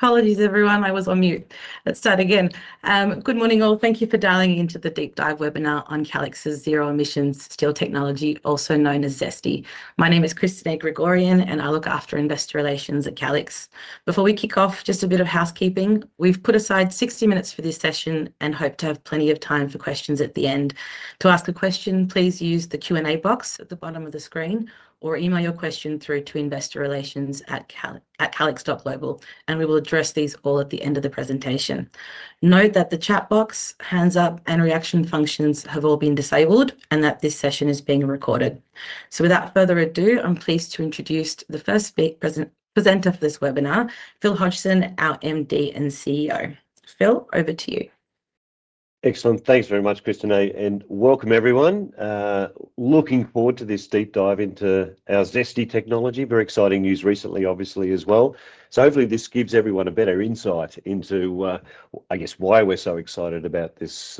Apologies, everyone. I was on mute. Let's start again. Good morning all. Thank you for dialing into the Deep Dive webinar on Calix's Zero Emissions Steel Technology, also known as ZESTY. My name is Christineh Grigorian, and I look after Investor Relations at Calix. Before we kick off, just a bit of housekeeping. We've put aside 60 minutes for this session and hope to have plenty of time for questions at the end. To ask a question, please use the Q&A box at the bottom of the screen or email your question through to investorrelations@calix.global, and we will address these all at the end of the presentation. Note that the chat box, hands up, and reaction functions have all been disabled and that this session is being recorded. Without further ado, I'm pleased to introduce the first presenter for this webinar, Phil Hodgson, our MD and CEO. Phil, over to you. Excellent. Thanks very much, Christineh, and welcome everyone. Looking forward to this deep dive into our ZESTY technology. Very exciting news recently, obviously, as well. Hopefully this gives everyone a better insight into, I guess, why we're so excited about this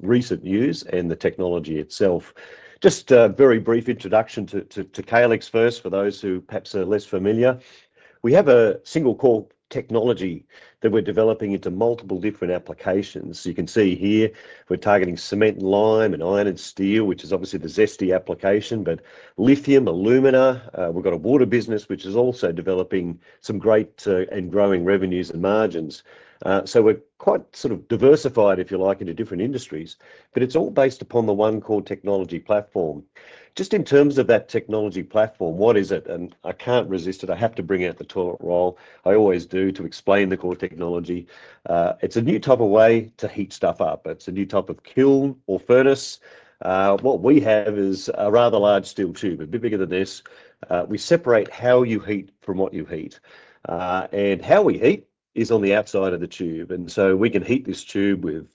recent news and the technology itself. Just a very brief introduction to Calix first for those who perhaps are less familiar. We have a single core technology that we're developing into multiple different applications. You can see here we're targeting cement, lime, and iron and steel, which is obviously the ZESTY application, but lithium, aluminum. We've got a water business which is also developing some great and growing revenues and margins. We're quite sort of diversified, if you like, into different industries, but it's all based upon the one core technology platform. Just in terms of that technology platform, what is it? I can't resist it. I have to bring out the tourette roll. I always do to explain the core technology. It's a new type of way to heat stuff up. It's a new type of kiln or furnace. What we have is a rather large steel tube, a bit bigger than this. We separate how you heat from what you heat, and how we heat is on the outside of the tube. We can heat this tube with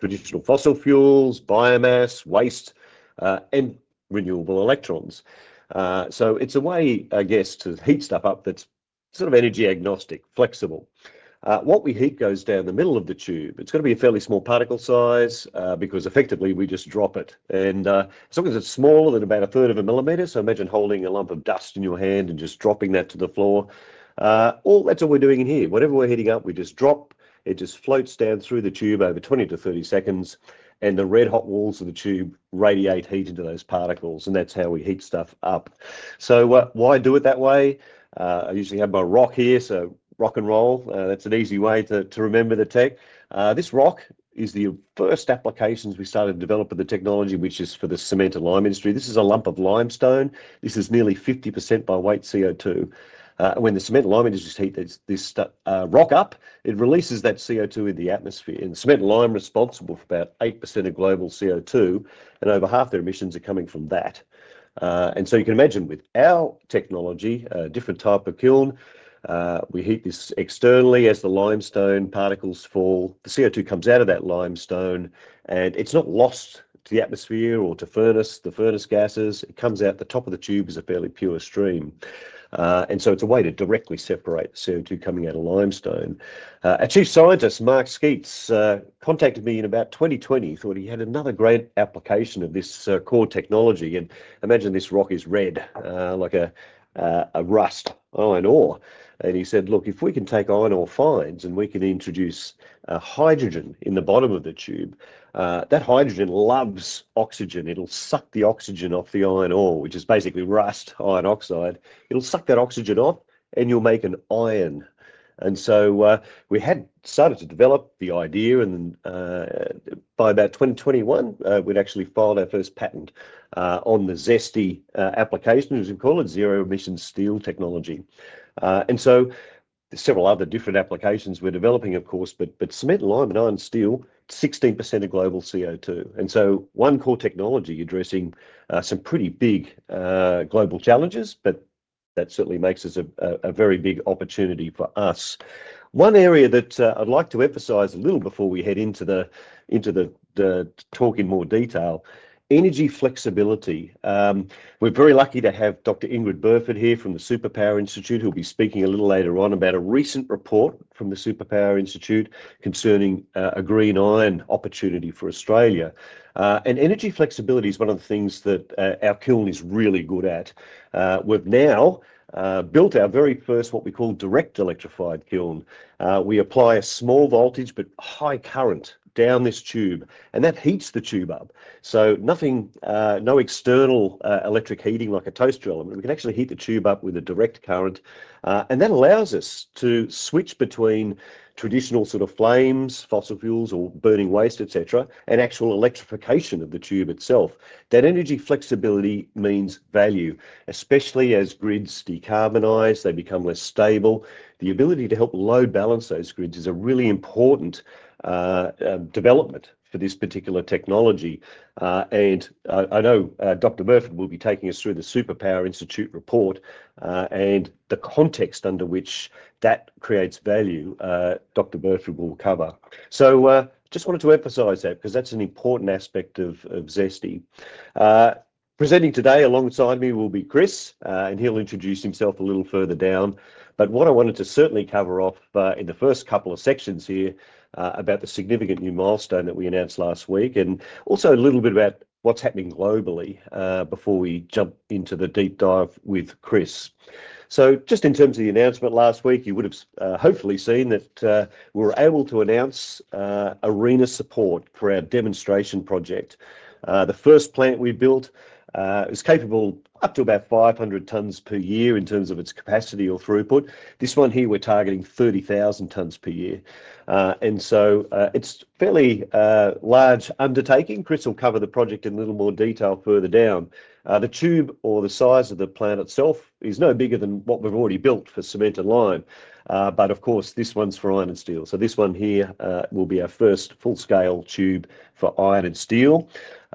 traditional fossil fuels, biomass, waste, and renewable electrons. It's a way, I guess, to heat stuff up that's sort of energy agnostic, flexible. What we heat goes down the middle of the tube. It's got to be a fairly small particle size because effectively we just drop it. Sometimes it's smaller than about a third of a millimeter. Imagine holding a lump of dust in your hand and just dropping that to the floor. That's what we're doing in here. Whatever we're heating up, we just drop. It just floats down through the tube over 20-30 seconds, and the red hot walls of the tube radiate heat into those particles, and that's how we heat stuff up. Why do it that way? I usually have my rock here. Rock and roll. That's an easy way to remember the tech. This rock is the first applications we started to develop with the technology, which is for the cement and lime industry. This is a lump of limestone. This is nearly 50% by weight CO2. When the cement and lime industry heats this rock up, it releases that CO2 into the atmosphere. Cement and lime are responsible for about 8% of global CO2, and over half their emissions are coming from that. You can imagine with our technology, a different type of kiln, we heat this externally as the limestone particles fall. The CO2 comes out of that limestone, and it's not lost to the atmosphere or to furnace. The furnace gases come out the top of the tube as a fairly pure stream. It is a way to directly separate the CO2 coming out of limestone. Our Chief Scientist, Mark Sceats, contacted me in about 2020 and thought he had another great application of this core technology. Imagine this rock is red like a rust, iron ore. He said, "Look, if we can take iron ore fines and we can introduce hydrogen in the bottom of the tube, that hydrogen loves oxygen. It'll suck the oxygen off the iron ore, which is basically rust, iron oxide. It'll suck that oxygen off and you'll make an iron." We had started to develop the idea, and by about 2021, we'd actually filed our first patent on the ZESTY application, as we call it, zero emissions steel technology. Several other different applications we're developing, of course, but cement, lime, and iron steel, 16% of global CO2. One core technology addressing some pretty big global challenges, but that certainly makes a very big opportunity for us. One area that I'd like to emphasize a little before we head into the talk in more detail is energy flexibility. We are very lucky to have Dr. Ingrid Burford here from the Superpower Institute, who'll be speaking a little later on about a recent report from the Superpower Institute concerning a green iron opportunity for Australia. Energy flexibility is one of the things that our kiln is really good at. We've now built our very first, what we call direct electrified kiln. We apply a small voltage but high current down this tube, and that heats the tube up. No external electric heating like a toaster element. We can actually heat the tube up with a direct current, and that allows us to switch between traditional sort of flames, fossil fuels, or burning waste, etc., and actual electrification of the tube itself. That energy flexibility means value, especially as grids decarbonize, they become less stable. The ability to help load balance those grids is a really important development for this particular technology. I know Dr. Burford will be taking us through the Superpower Institute report and the context under which that creates value. Dr. Burford will cover. I just wanted to emphasize that because that's an important aspect of ZESTY. Presenting today alongside me will be Chris, and he'll introduce himself a little further down. What I wanted to certainly cover off in the first couple of sections here is the significant new milestone that we announced last week and also a little bit about what's happening globally before we jump into the deep dive with Chris. In terms of the announcement last week, you would have hopefully seen that we were able to announce ARENA support for our demonstration project. The first plant we built is capable of up to about 500 tons per year in terms of its capacity or throughput. This one here we're targeting 30,000 tons per year, and it's a fairly large undertaking. Chris will cover the project in a little more detail further down. The tube or the size of the plant itself is no bigger than what we've already built for cement and lime. Of course, this one's for iron and steel. This one here will be our first full-scale tube for iron and steel.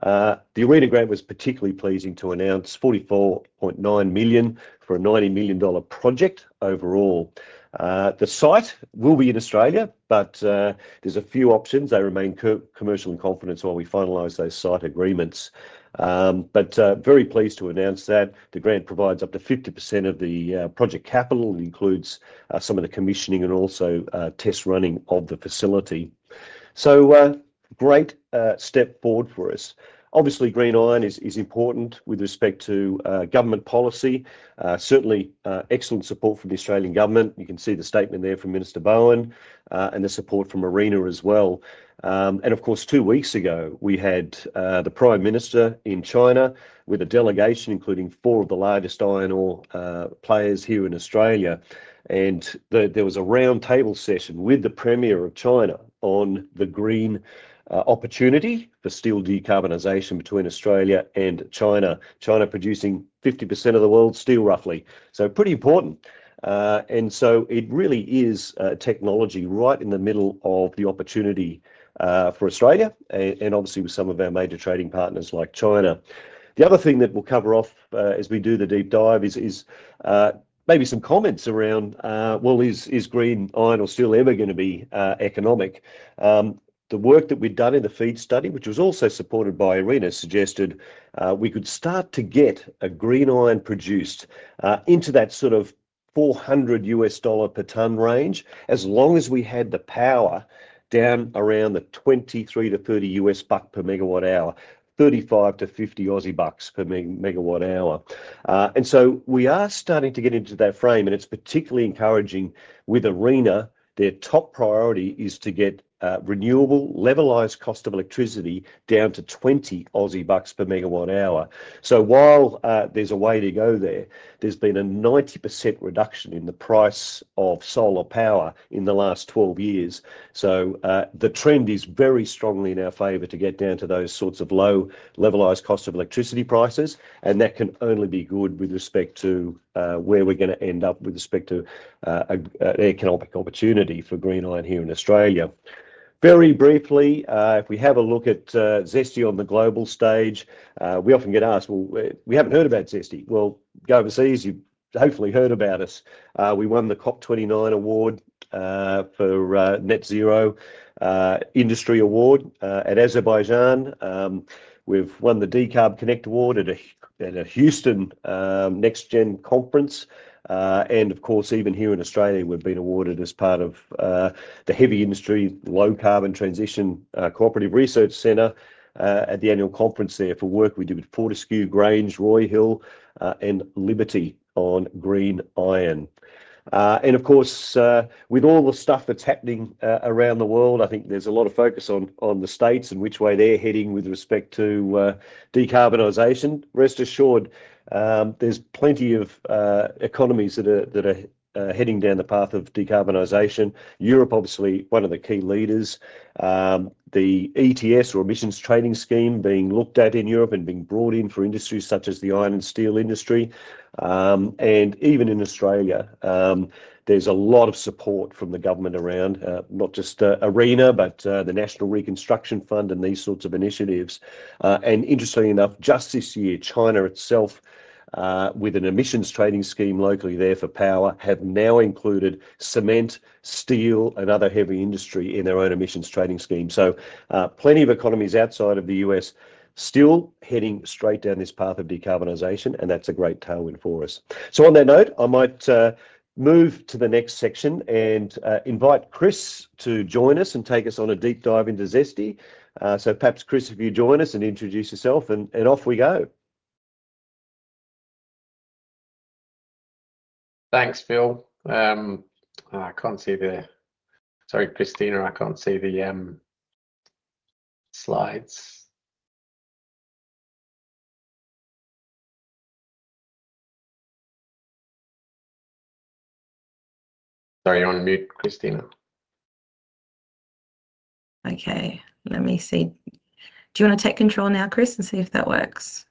The ARENA grant was particularly pleasing to announce, $44.9 million for a $90 million project overall. The site will be in Australia, but there are a few options. They remain commercial in confidence while we finalize those site agreements. Very pleased to announce that the grant provides up to 50% of the project capital and includes some of the commissioning and also test running of the facility. Great step forward for us. Obviously, green iron is important with respect to government policy. Certainly, excellent support from the Australian government. You can see the statement there from Minister Bowen and the support from ARENA as well. Two weeks ago, we had the Prime Minister in China with a delegation including four of the largest iron ore players here in Australia. There was a roundtable session with the Premier of China on the green opportunity for steel decarbonization between Australia and China. China produces 50% of the world's steel, roughly, so pretty important. It really is a technology right in the middle of the opportunity for Australia and obviously with some of our major trading partners like China. The other thing that we'll cover off as we do the deep dive is maybe some comments around, well, is green iron or steel ever going to be economic? The work that we've done in the feed study, which was also supported by ARENA, suggested we could start to get a green iron produced into that sort of $400 per tonne range, as long as we had the power down around the $23-$30 per MWh, AUD 35-AUD 50 per MWh. We are starting to get into that frame, and it's particularly encouraging with ARENA. Their top priority is to get renewable levelized cost of electricity down to 20 Aussie bucks per MWh. While there's a way to go there, there's been a 90% reduction in the price of solar power in the last 12 years. The trend is very strongly in our favor to get down to those sorts of low levelized cost of electricity prices, and that can only be good with respect to where we're going to end up with respect to an economic opportunity for green iron here in Australia. Very briefly, if we have a look at ZESTY on the global stage, we often get asked, we haven't heard about ZESTY. Go overseas, you've hopefully heard about us. We won the COP29 Award for Net Zero Industry Award at Azerbaijan. We've won the Decarb Connect Award at a Houston NextGen Conference. Of course, even here in Australia, we've been awarded as part of the Heavy Industry Low Carbon Transition Cooperative Research Center at the annual conference there for work we do with Fortescue, Grange, Roy Hill, and Liberty on green iron. With all the stuff that's happening around the world, I think there's a lot of focus on the States and which way they're heading with respect to decarbonization. Rest assured, there's plenty of economies that are heading down the path of decarbonization. Europe, obviously, one of the key leaders. The ETS or emissions trading scheme being looked at in Europe and being brought in for industries such as the iron and steel industry. Even in Australia, there's a lot of support from the government around not just ARENA, but the National Reconstruction Fund and these sorts of initiatives. Interestingly enough, just this year, China itself, with an emissions trading scheme locally there for power, have now included cement, steel, and other heavy industry in their own emissions trading scheme. Plenty of economies outside of the U.S. still heading straight down this path of decarbonization, and that's a great tailwind for us. On that note, I might move to the next section and invite Chris to join us and take us on a deep dive into ZESTY. Perhaps, Chris, if you join us and introduce yourself, off we go. Thanks, Phil. I can't see the... Sorry, Christineh, I can't see the slides. Sorry, on mute, Christineh. Okay, let me see. Do you want to take control now, Chris, and see if that works?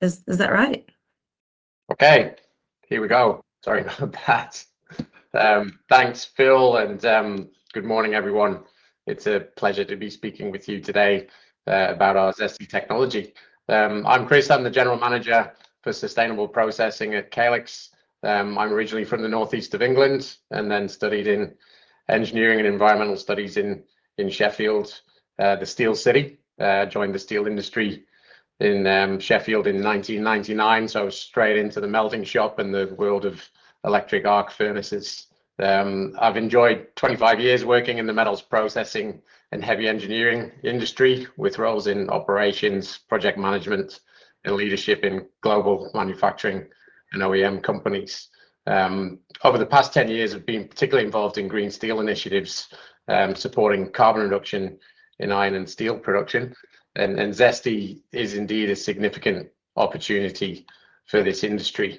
Is that right? Okay, here we go. Sorry about that. Thanks, Phil, and good morning, everyone. It's a pleasure to be speaking with you today about our ZESTY technology. I'm Chris. I'm the General Manager for Sustainable Processing at Calix. I'm originally from the northeast of England and then studied in Engineering and Environmental Studies in Sheffield, the Steel City. I joined the steel industry in Sheffield in 1999, so I was straight into the melting shop and the world of electric arc furnaces. I've enjoyed 25 years working in the metals processing and heavy engineering industry with roles in operations, project management, and leadership in global manufacturing and OEM companies. Over the past 10 years, I've been particularly involved in green steel initiatives and supporting carbon reduction in iron and steel production. ZESTY is indeed a significant opportunity for this industry.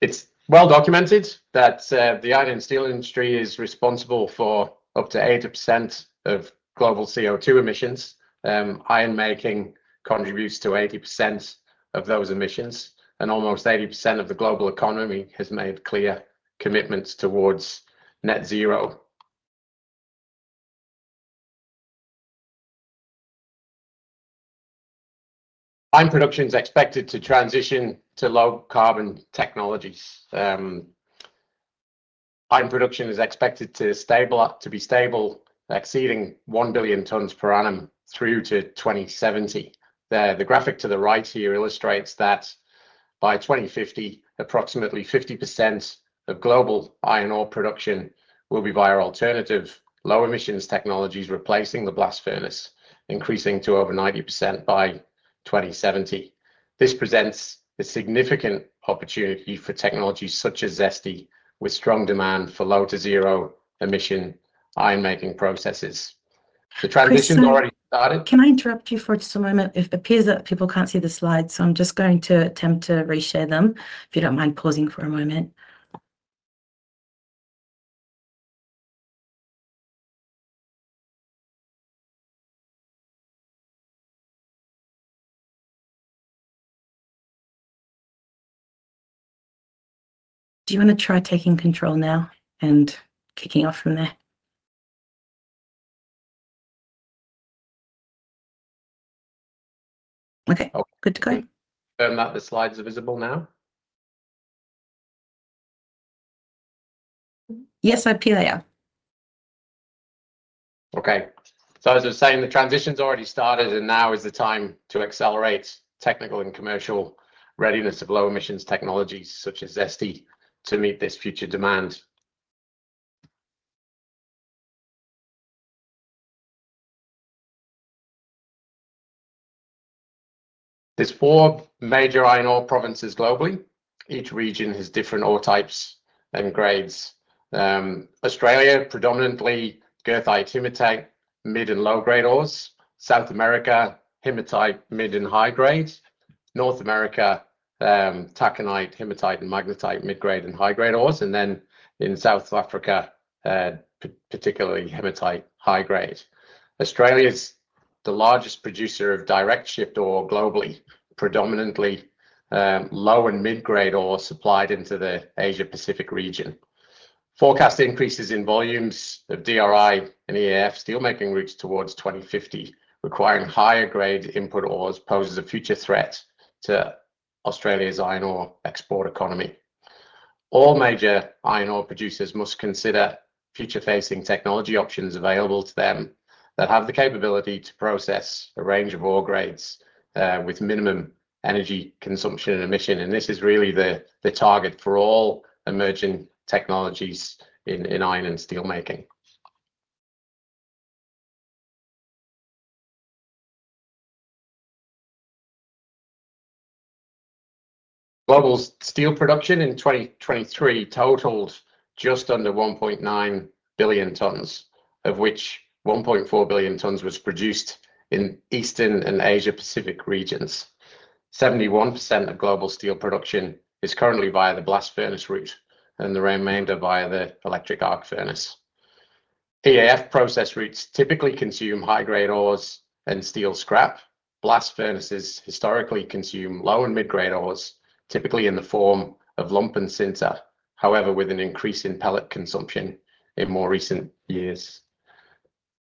It's well documented that the iron and steel industry is responsible for up to 8% of global CO2 emissions. Iron making contributes to 80% of those emissions, and almost 80% of the global economy has made clear commitments towards net zero. Iron production is expected to transition to low carbon technologies. Iron production is expected to be stable, exceeding 1 billion tons per annum through to 2070. The graphic to the right here illustrates that by 2050, approximately 50% of global iron ore production will be via alternative low emissions technologies replacing the blast furnace, increasing to over 90% by 2070. This presents a significant opportunity for technologies such as ZESTY with strong demand for low to zero emission iron making processes. The transition's already started. Can I interrupt you for just a moment? It appears that people can't see the slides, so I'm just going to attempt to reshare them. If you don't mind pausing for a moment, do you want to try taking control now and kicking off from there? Okay, good to go. I don't know if the slides are visible now. Yes, I appear there. Okay. As I was saying, the transition's already started, and now is the time to accelerate technical and commercial readiness of low emissions technologies such as ZESTY to meet this future demand. There are four major iron ore provinces globally. Each region has different ore types and grades. Australia, predominantly goethite, hematite, mid and low grade ores. South America, hematite, mid and high grades. North America, taconite, hematite and magnetite, mid grade and high grade ores. In South Africa, particularly hematite, high grade. Australia is the largest producer of direct shipped ore globally, predominantly low and mid grade ore supplied into the Asia Pacific region. Forecast increases in volumes of DRI and EAF steelmaking routes towards 2050, requiring higher grade input ores, pose a future threat to Australia's iron ore export economy. All major iron ore producers must consider future-facing technology options available to them that have the capability to process a range of ore grades with minimum energy consumption and emission. This is really the target for all emerging technologies in iron and steelmaking. Global steel production in 2023 totaled just under 1.9 billion tons, of which 1.4 billion tons was produced in Eastern and Asia Pacific regions. 71% of global steel production is currently via the blast furnace route, and the remainder via the electric arc furnace. EAF process routes typically consume high grade ores and steel scrap. Blast furnaces historically consume low and mid grade ores, typically in the form of lump and sinter. However, with an increase in pellet consumption in more recent years,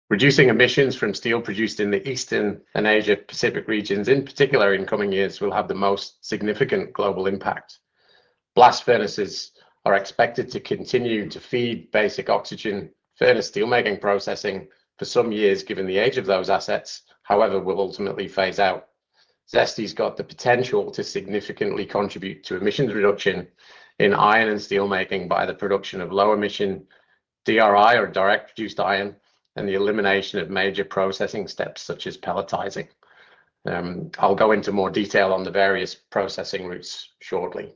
reducing emissions from steel produced in the Eastern and Asia Pacific regions, in particular in coming years, will have the most significant global impact. Blast furnaces are expected to continue to feed basic oxygen furnace steelmaking processing for some years, given the age of those assets. However, they'll ultimately phase out. ZESTY's got the potential to significantly contribute to emissions reduction in iron and steelmaking by the production of low emission DRI or direct reduced iron and the elimination of major processing steps such as pelletizing. I'll go into more detail on the various processing routes shortly.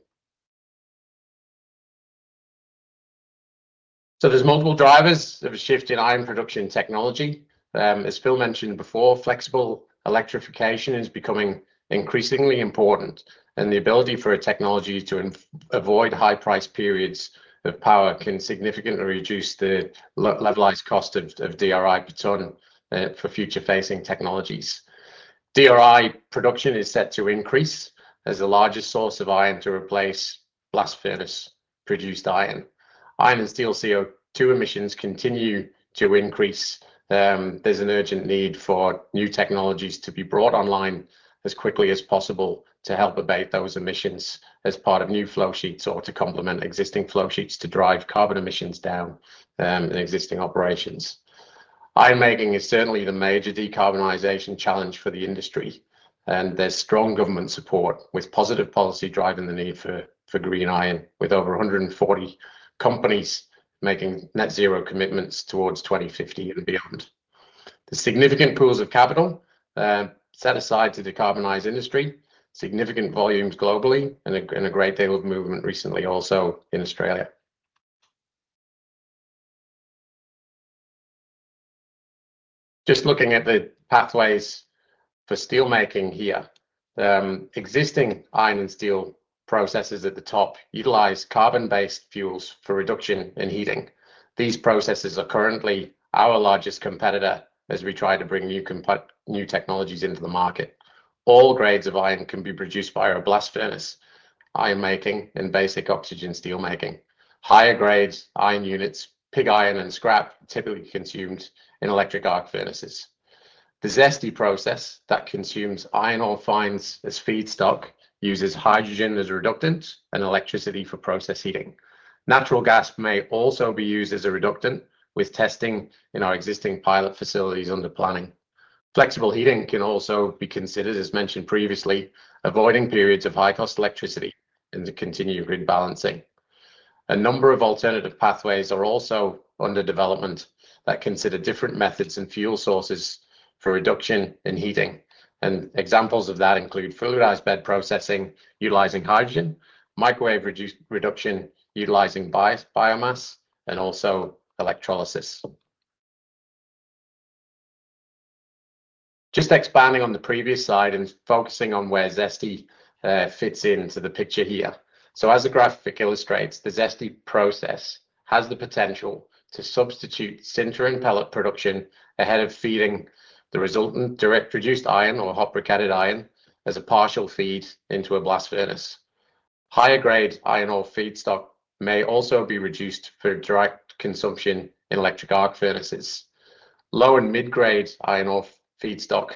There are multiple drivers of a shift in iron production technology. As Phil mentioned before, flexible electrification is becoming increasingly important, and the ability for a technology to avoid high price periods of power can significantly reduce the levelized cost of DRI per tonne for future-facing technologies. DRI production is set to increase as the largest source of iron to replace blast furnace produced iron. Iron and steel CO2 emissions continue to increase. There's an urgent need for new technologies to be brought online as quickly as possible to help abate those emissions as part of new flow sheets or to complement existing flow sheets to drive carbon emissions down in existing operations. Iron making is certainly the major decarbonization challenge for the industry, and there's strong government support with positive policy driving the need for green iron, with over 140 companies making net zero commitments towards 2050 and beyond. The significant pools of capital set aside to decarbonize industry, significant volumes globally, and a great deal of movement recently also in Australia. Just looking at the pathways for steelmaking here, existing iron and steel processes at the top utilize carbon-based fuels for reduction and heating. These processes are currently our largest competitor as we try to bring new technologies into the market. All grades of iron can be produced via a blast furnace, iron making, and basic oxygen steelmaking. Higher grades iron units, pig iron and scrap, are typically consumed in electric arc furnaces. The ZESTY process that consumes iron ore fines as feedstock uses hydrogen as a reductant and electricity for process heating. Natural gas may also be used as a reductant with testing in our existing pilot facilities under planning. Flexible heating can also be considered, as mentioned previously, avoiding periods of high cost electricity and to continue grid balancing. A number of alternative pathways are also under development that consider different methods and fuel sources for reduction and heating. Examples of that include fluidized bed processing utilizing hydrogen, microwave reduction utilizing biomass, and also electrolysis. Expanding on the previous slide and focusing on where ZESTY fits into the picture here. As the graphic illustrates, the ZESTY process has the potential to substitute sintering pellet production ahead of feeding the resultant direct reduced iron or hot-briquetted iron as a partial feed into a blast furnace. Higher grade iron ore feedstock may also be reduced for direct consumption in electric arc furnaces. Low and mid grade iron ore feedstock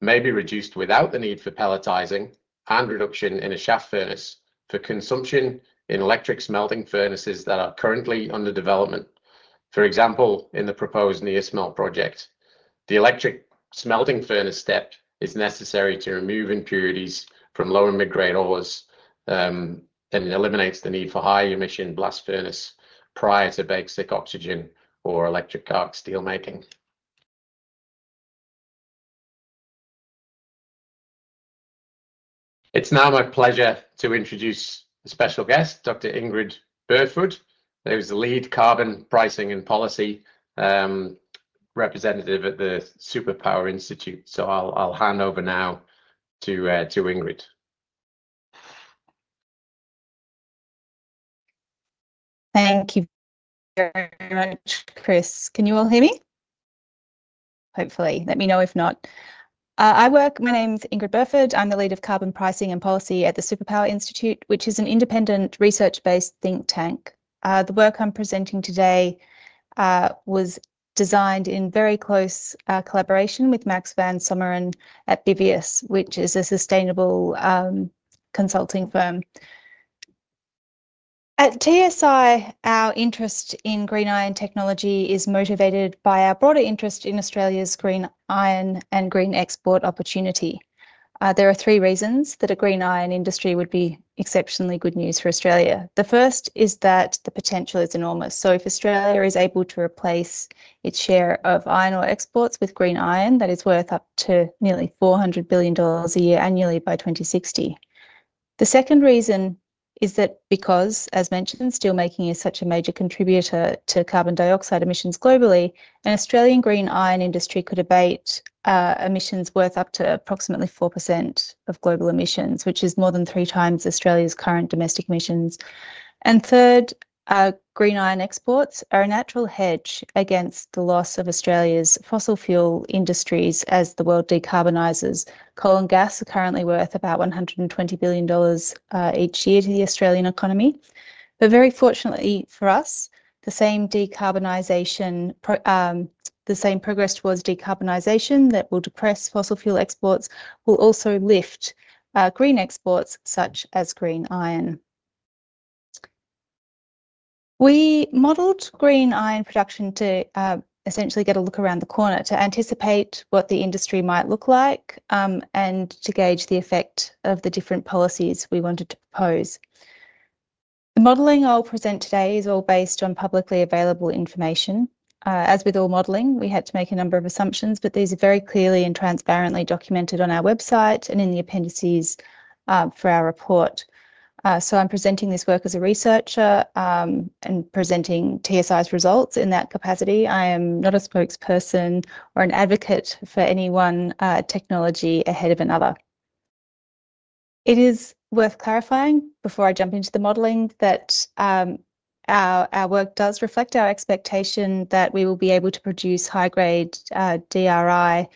may be reduced without the need for pelletizing and reduction in a shaft furnace for consumption in electric smelting furnaces that are currently under development. For example, in the proposed NeoSmelt project, the electric smelting furnace step is necessary to remove impurities from low and mid grade ores, and it eliminates the need for high emission blast furnace prior to basic oxygen or electric arc steelmaking. It's now my pleasure to introduce a special guest, Dr. Ingrid Burford, who's the Lead, Carbon Pricing and Policy at the Superpower Institute. I'll hand over now to Ingrid. Thank you very much, Chris. Can you all hear me? Hopefully. Let me know if not. I work, my name's Dr. Ingrid Burford. I'm the Lead of Carbon Pricing and Policy at the Superpower Institute, which is an independent research-based think tank. The work I'm presenting today was designed in very close collaboration with Max van Someren at Bibeus, which is a sustainable consulting firm. At TSI, our interest in green iron technology is motivated by our broader interest in Australia's green iron and green export opportunity. There are three reasons that a green iron industry would be exceptionally good news for Australia. The first is that the potential is enormous. If Australia is able to replace its share of iron ore exports with green iron, that is worth up to nearly $400 billion a year annually by 2060. The second reason is that because, as mentioned, steelmaking is such a major contributor to carbon dioxide emissions globally, an Australian green iron industry could abate emissions worth up to approximately 4% of global emissions, which is more than three times Australia's current domestic emissions. Third, our green iron exports are a natural hedge against the loss of Australia's fossil fuel industries as the world decarbonizes. Coal and gas are currently worth about $120 billion each year to the Australian economy. Very fortunately for us, the same progress towards decarbonization that will depress fossil fuel exports will also lift green exports such as green iron. We modeled green iron production to essentially get a look around the corner to anticipate what the industry might look like and to gauge the effect of the different policies we wanted to propose. The modeling I'll present today is all based on publicly available information. As with all modeling, we had to make a number of assumptions, but these are very clearly and transparently documented on our website and in the appendices for our report. I'm presenting this work as a researcher and presenting TSI's results in that capacity. I am not a spokesperson or an advocate for any one technology ahead of another. It is worth clarifying before I jump into the modeling that our work does reflect our expectation that we will be able to produce high grade DRI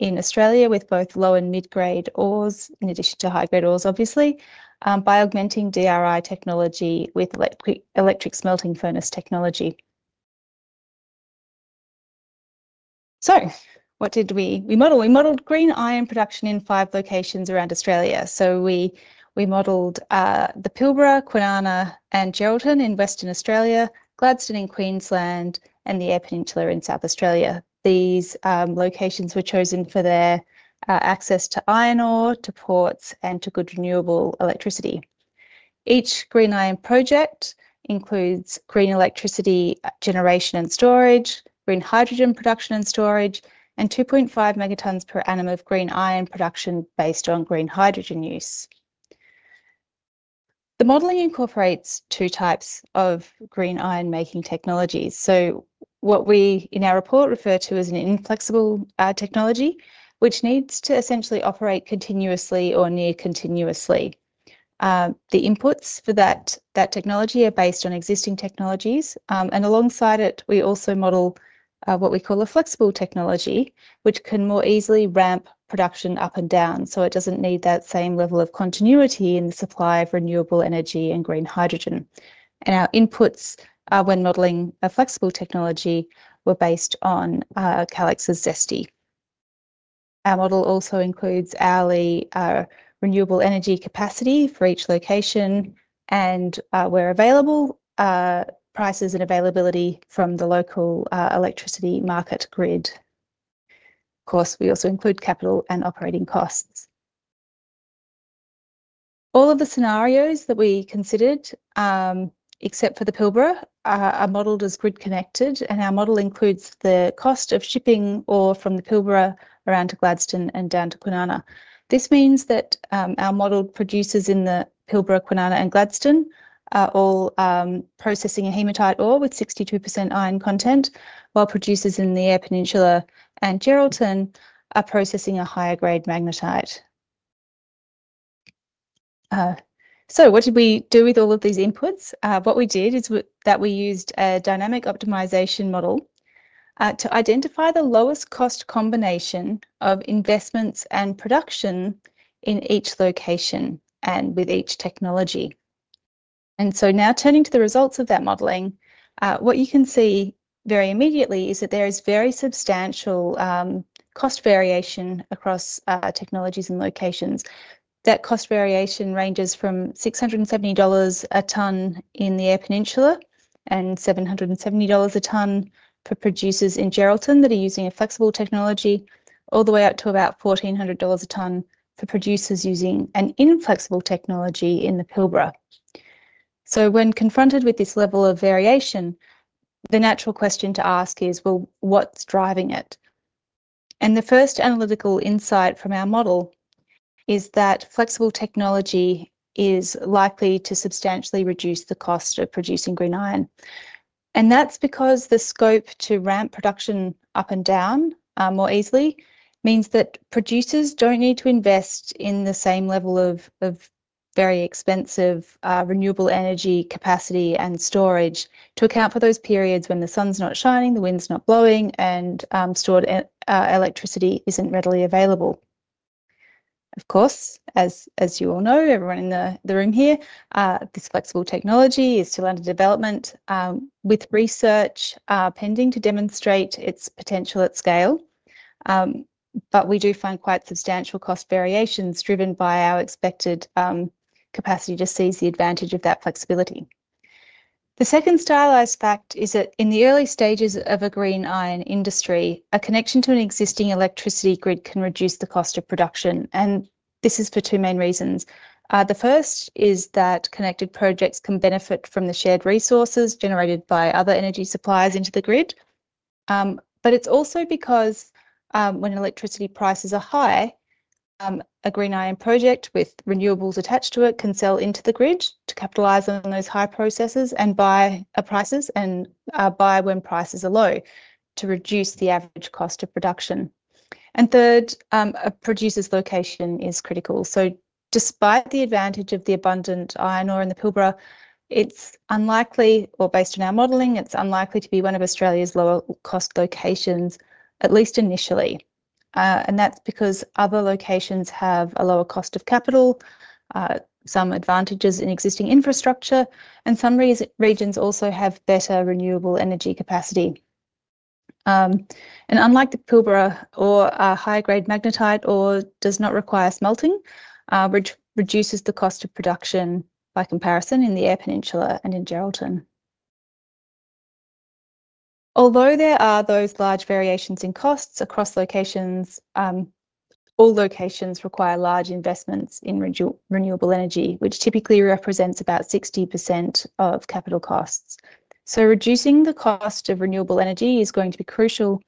in Australia with both low and mid grade ores, in addition to high grade ores, obviously by augmenting DRI technology with electric smelting furnace technology. What did we model? We modeled green iron production in five locations around Australia. We modeled the Pilbara, Kwinana, and Geraldton in Western Australia, Gladstone in Queensland, and the Eyre Peninsula in South Australia. These locations were chosen for their access to iron ore, to ports, and to good renewable electricity. Each green iron project includes green electricity generation and storage, green hydrogen production and storage, and 2.5 million tons per annum of green iron production based on green hydrogen use. The modeling incorporates two types of green iron making technologies. What we in our report refer to as an inflexible technology needs to essentially operate continuously or near continuously. The inputs for that technology are based on existing technologies, and alongside it, we also model what we call a flexible technology, which can more easily ramp production up and down. It doesn't need that same level of continuity in the supply of renewable energy and green hydrogen. Our inputs when modeling a flexible technology were based on Calix's ZESTY. Our model also includes hourly renewable energy capacity for each location and, where available, prices and availability from the local electricity market grid. We also include capital and operating costs. All of the scenarios that we considered, except for the Pilbara, are modeled as grid connected, and our model includes the cost of shipping ore from the Pilbara around to Gladstone and down to Kwinana. This means that our modeled producers in the Pilbara, Kwinana, and Gladstone are all processing a hematite ore with 62% iron content, while producers in the Eyre Peninsula and Geraldton are processing a higher grade magnetite. What did we do with all of these inputs? What we did is that we used a dynamic optimization model to identify the lowest cost combination of investments and production in each location and with each technology. Turning to the results of that modeling, what you can see very immediately is that there is very substantial cost variation across technologies and locations. That cost variation ranges from $670 a ton in the Eyre Peninsula and $770 a ton for producers in Geraldton that are using a flexible technology, all the way up to about $1,400 a ton for producers using an inflexible technology in the Pilbara. When confronted with this level of variation, the natural question to ask is, what's driving it? The first analytical insight from our model is that flexible technology is likely to substantially reduce the cost of producing green iron. That's because the scope to ramp production up and down more easily means that producers don't need to invest in the same level of very expensive renewable energy capacity and storage to account for those periods when the sun's not shining, the wind's not blowing, and stored electricity isn't readily available. Of course, as you all know, everyone in the room here, this flexible technology is still under development with research pending to demonstrate its potential at scale. We do find quite substantial cost variations driven by our expected capacity to seize the advantage of that flexibility. The second stylized fact is that in the early stages of a green iron industry, a connection to an existing electricity grid can reduce the cost of production. This is for two main reasons. The first is that connected projects can benefit from the shared resources generated by other energy suppliers into the grid. It's also because when electricity prices are high, a green iron project with renewables attached to it can sell into the grid to capitalize on those high prices and buy when prices are low to reduce the average cost of production. A producer's location is critical. Despite the advantage of the abundant iron ore in the Pilbara, it's unlikely, or based on our modeling, it's unlikely to be one of Australia's lower cost locations, at least initially. That's because other locations have a lower cost of capital, some advantages in existing infrastructure, and some regions also have better renewable energy capacity. Unlike the Pilbara, high grade magnetite ore does not require smelting, which reduces the cost of production by comparison in the Eyre Peninsula and in Geraldton. Although there are those large variations in costs across locations, all locations require large investments in renewable energy, which typically represents about 60% of capital costs. Reducing the cost of renewable energy is going to be crucial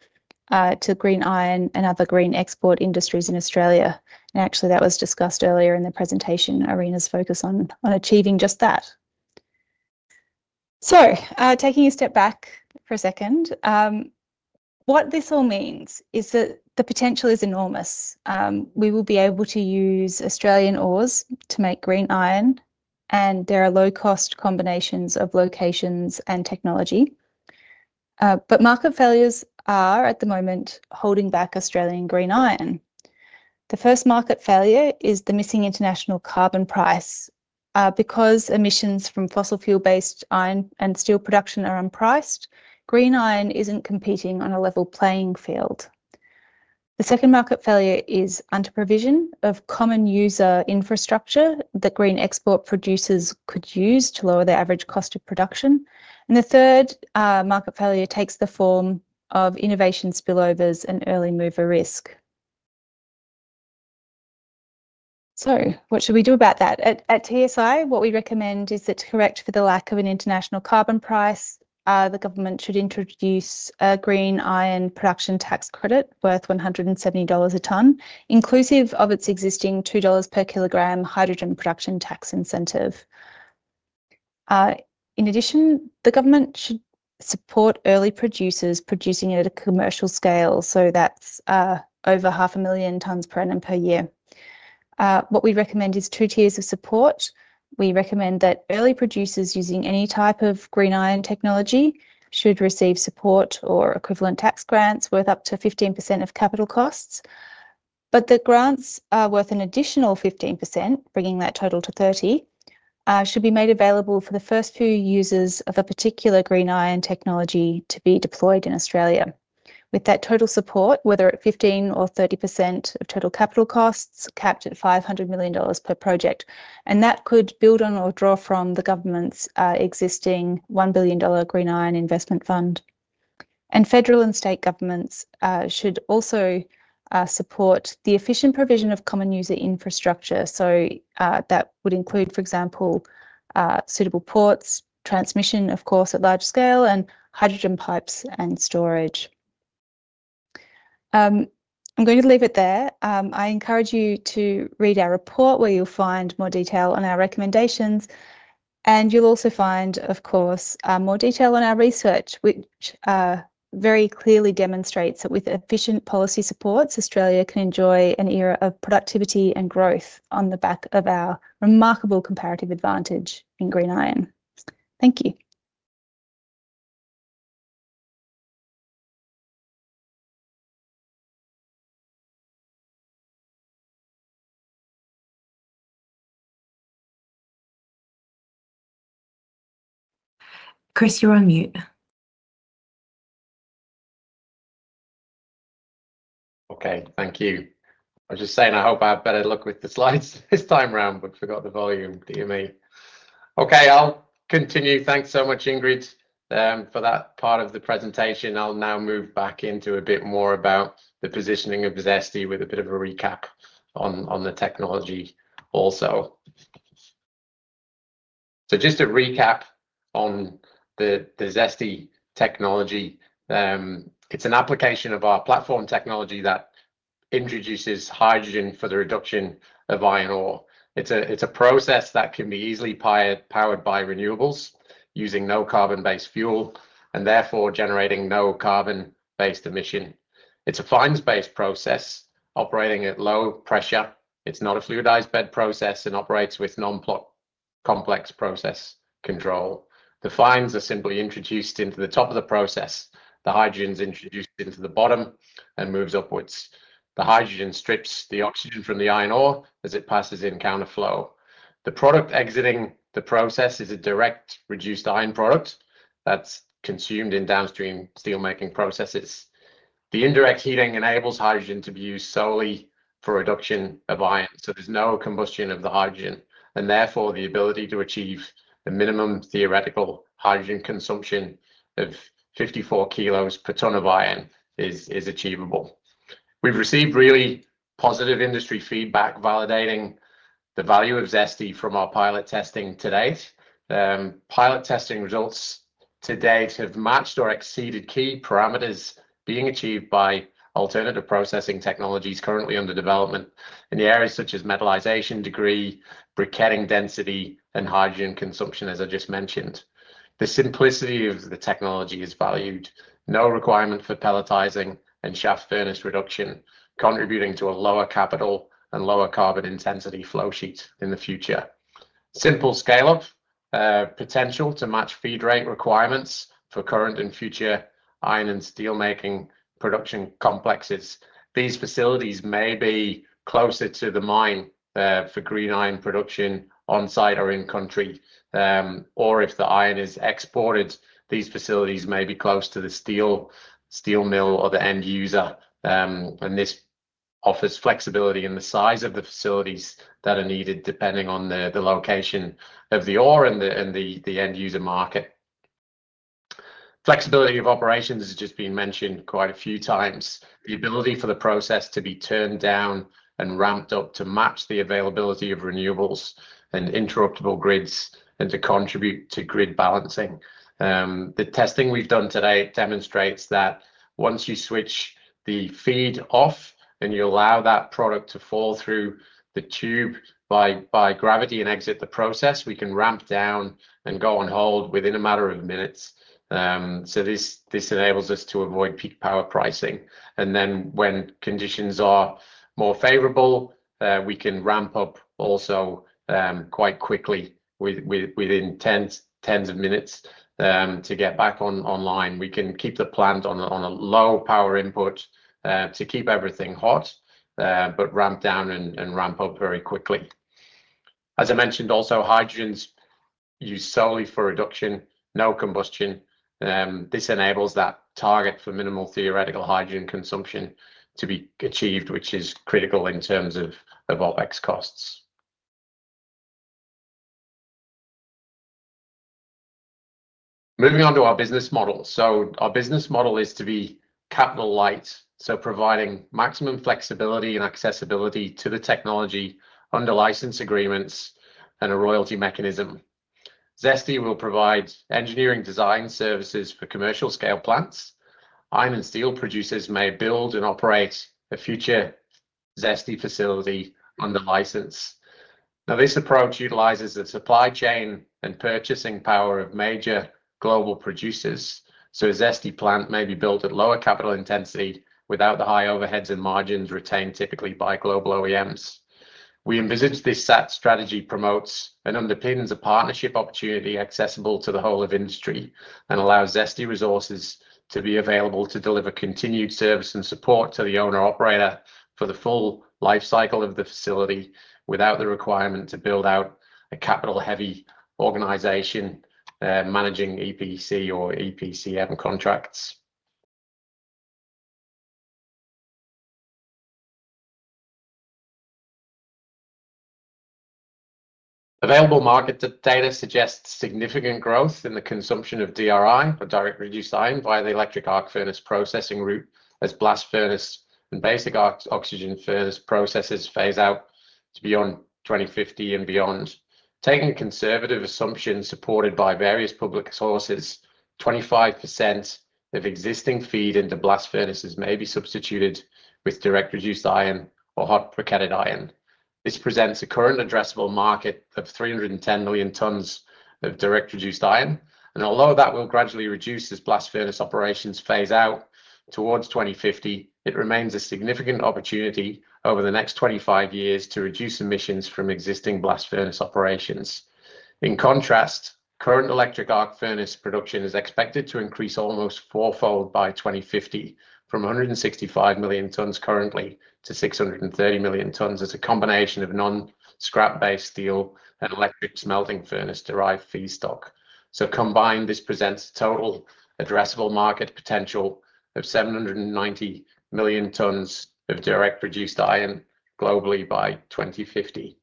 to green iron and other green export industries in Australia. That was discussed earlier in the presentation, ARENA's focus on achieving just that. Taking a step back for a second, what this all means is that the potential is enormous. We will be able to use Australian ores to make green iron, and there are low-cost combinations of locations and technology. However, market failures are at the moment holding back Australian green iron. The first market failure is the missing international carbon price. Because emissions from fossil fuel-based iron and steel production are unpriced, green iron isn't competing on a level playing field. The second market failure is under-provision of common user infrastructure that green export producers could use to lower their average cost of production. The third market failure takes the form of innovation spillovers and early mover risk. What should we do about that? At the Superpower Institute, what we recommend is that to correct for the lack of an international carbon price, the government should introduce a green iron production tax credit worth $170 a ton, inclusive of its existing $2 per kilogram hydrogen production tax incentive. In addition, the government should support early producers producing at a commercial scale, so that's over half a million tons per annum per year. We recommend two tiers of support. We recommend that early producers using any type of green iron technology should receive support or equivalent tax grants worth up to 15% of capital costs. Grants worth an additional 15%, bringing that total to 30%, should be made available for the first few users of a particular green iron technology to be deployed in Australia. With that total support, whether at 15% or 30% of total capital costs capped at $500 million per project, that could build on or draw from the government's existing $1 billion green iron investment fund. Federal and state governments should also support the efficient provision of common user infrastructure, which would include, for example, suitable ports, transmission at large scale, and hydrogen pipes and storage. I'm going to leave it there. I encourage you to read our report where you'll find more detail on our recommendations. You'll also find more detail on our research, which very clearly demonstrates that with efficient policy supports, Australia can enjoy an era of productivity and growth on the back of our remarkable comparative advantage in green iron. Thank you. Chris, you're on mute. Okay, thank you. I was just saying I hope I have better luck with the slides this time around, but forgot the volume. Do you hear me? Okay, I'll continue. Thanks so much, Dr. Ingrid Burford, for that part of the presentation. I'll now move back into a bit more about the positioning of ZESTY with a bit of a recap on the technology also. Just a recap on the ZESTY technology. It's an application of our platform technology that introduces hydrogen for the reduction of iron ore. It's a process that can be easily powered by renewables using no carbon-based fuel and therefore generating no carbon-based emission. It's a fines-based process operating at low pressure. It's not a fluidized bed process and operates with non-plot complex process control. The fines are simply introduced into the top of the process. The hydrogen is introduced into the bottom and moves upwards. The hydrogen strips the oxygen from the iron ore as it passes in counterflow. The product exiting the process is a direct reduced iron product that's consumed in downstream steelmaking processes. The indirect heating enables hydrogen to be used solely for reduction of iron. There's no combustion of the hydrogen, and therefore the ability to achieve the minimum theoretical hydrogen consumption of 54 kilos per tonne of iron is achievable. We've received really positive industry feedback validating the value of ZESTY from our pilot testing to date. Pilot testing results to date have matched or exceeded key parameters being achieved by alternative processing technologies currently under development in areas such as metallisation degree, briquetting density, and hydrogen consumption, as I just mentioned. The simplicity of the technology is valued. No requirement for pelletizing and shaft furnace reduction, contributing to a lower capital and lower carbon intensity flow sheet in the future. Simple scale-up potential to match feed rate requirements for current and future iron and steelmaking production complexes. These facilities may be closer to the mine for green iron production on site or in country, or if the iron is exported, these facilities may be close to the steel mill or the end user. This offers flexibility in the size of the facilities that are needed depending on the location of the ore and the end user market. Flexibility of operations has just been mentioned quite a few times. The ability for the process to be turned down and ramped up to match the availability of renewables and interruptible grids and to contribute to grid balancing. The testing we've done today demonstrates that once you switch the feed off and you allow that product to fall through the tube by gravity and exit the process, we can ramp down and go on hold within a matter of minutes. This enables us to avoid peak power pricing. When conditions are more favorable, we can ramp up also quite quickly within tens of minutes to get back online. We can keep the plant on a low power input to keep everything hot, but ramp down and ramp up very quickly. As I mentioned, also hydrogen is used solely for reduction, no combustion. This enables that target for minimal theoretical hydrogen consumption to be achieved, which is critical in terms of OpEx costs. Moving on to our business model. Our business model is to be capital light, so providing maximum flexibility and accessibility to the technology under license agreements and a royalty mechanism. ZESTY will provide engineering design services for commercial scale plants. Iron and steel producers may build and operate a future ZESTY facility under license. This approach utilizes the supply chain and purchasing power of major global producers. A ZESTY plant may be built at lower capital intensity without the high overheads and margins retained typically by global OEMs. We envisage this strategy promotes and underpins a partnership opportunity accessible to the whole of industry and allows ZESTY resources to be available to deliver continued service and support to the owner-operator for the full lifecycle of the facility without the requirement to build out a capital-heavy organization managing EPC or EPCM contracts. Available market data suggests significant growth in the consumption of DRI or direct reduced iron via the electric arc furnace processing route as blast furnace and basic oxygen furnace processes phase out beyond 2050 and beyond. Taking a conservative assumption supported by various public sources, 25% of existing feed into blast furnaces may be substituted with direct reduced iron or hot-brocaded iron. This presents a current addressable market of 310 million tons of direct reduced iron. Although that will gradually reduce as blast furnace operations phase out towards 2050, it remains a significant opportunity over the next 25 years to reduce emissions from existing blast furnace operations. In contrast, current electric arc furnace production is expected to increase almost fourfold by 2050, from 165 million tons currently to 630 million tons as a combination of non-scrap-based steel and electric smelting furnace derived feedstock. Combined, this presents a total addressable market potential of 790 million tons of direct reduced iron globally by 2050.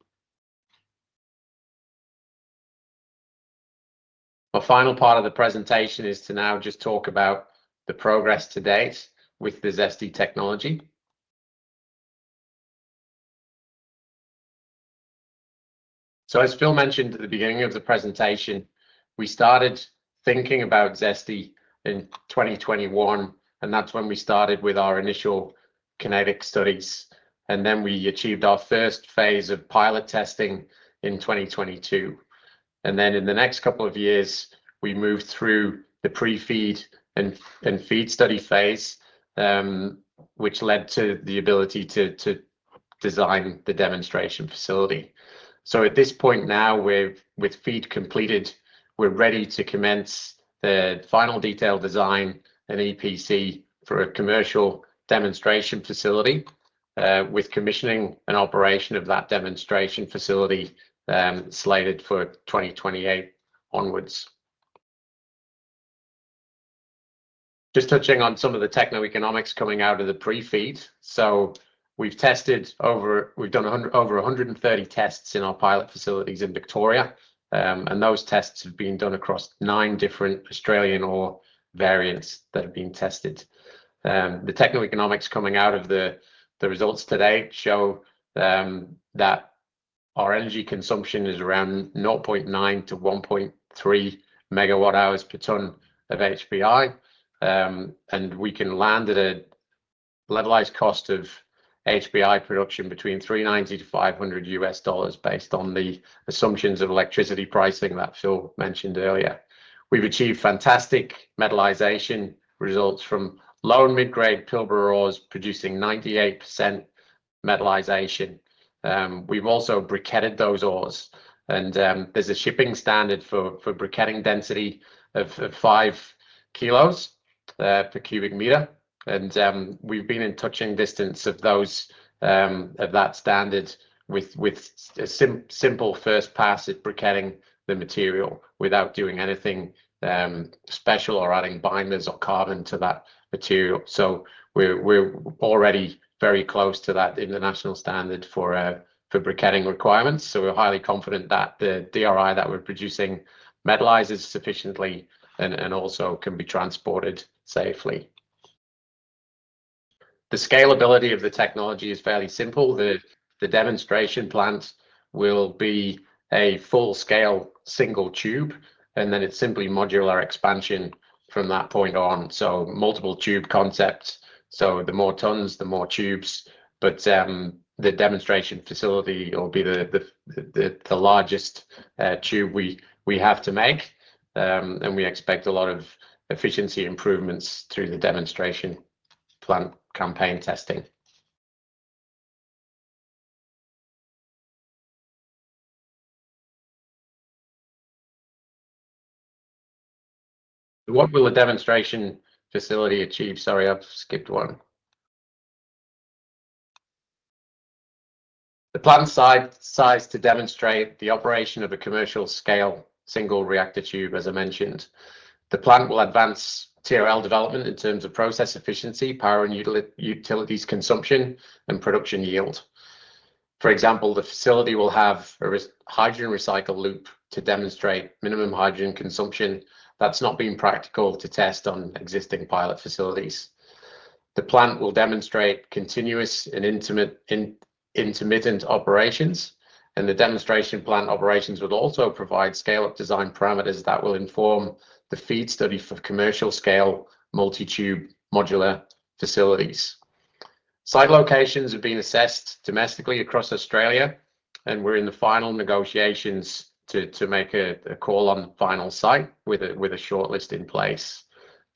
Our final part of the presentation is to now just talk about the progress to date with the ZESTY technology. As Phil mentioned at the beginning of the presentation, we started thinking about ZESTY in 2021, and that's when we started with our initial kinetic studies. We achieved our first phase of pilot testing in 2022. In the next couple of years, we moved through the pre-feed and feed study phase, which led to the ability to design the demonstration facility. At this point now, with feed completed, we're ready to commence the final detail design and EPC for a commercial demonstration facility, with commissioning and operation of that demonstration facility slated for 2028 onwards. Touching on some of the techno-economics coming out of the pre-feed, we've done over 130 tests in our pilot facilities in Victoria, and those tests have been done across nine different Australian ore variants that have been tested. The techno-economics coming out of the results today show that our energy consumption is around 0.9 MWh-1.3 MWh per tonne of HPI. We can land at a levelized cost of HPI production between $390-$500 based on the assumptions of electricity pricing that Phil mentioned earlier. We've achieved fantastic metallisation results from low and mid grade Pilbara ores producing 98% metallisation. We've also briquetted those ores, and there's a shipping standard for briquetting density of 5kg/cu m. We've been in touching distance of that standard with a simple first pass at briquetting the material without doing anything special or adding binders or carbon to that material. We're already very close to that international standard for briquetting requirements. We're highly confident that the DRI that we're producing metallises sufficiently and also can be transported safely. The scalability of the technology is fairly simple. The demonstration plant will be a full-scale single tube, and then it's simply modular expansion from that point on. Multiple tube concepts mean the more tons, the more tubes. The demonstration facility will be the largest tube we have to make, and we expect a lot of efficiency improvements through the demonstration plant campaign testing. What will a demonstration facility achieve? The plant's size is to demonstrate the operation of a commercial scale single reactor tube, as I mentioned. The plant will advance TRL development in terms of process efficiency, power and utilities consumption, and production yield. For example, the facility will have a hydrogen recycle loop to demonstrate minimum hydrogen consumption that's not been practical to test on existing pilot facilities. The plant will demonstrate continuous and intermittent operations, and the demonstration plant operations will also provide scale-up design parameters that will inform the feed study for commercial scale multi-tube modular facilities. Site locations have been assessed domestically across Australia, and we're in the final negotiations to make a call on the final site with a shortlist in place.